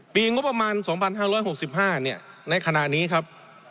ปีงบประมาณ๒๕๖๕ในขณะนี้ครับ